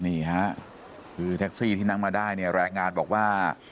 นี่ฮะคือแท็กซี่ที่นั่งมาได้เนี่ยรายงานบอกว่า